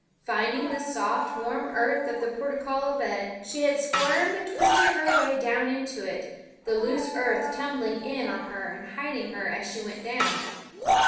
Finding the soft warm earth of the portulaca bed, she had squirmed and twisted her way down into it, the loose earth tumbling in on her and hiding her as she went down.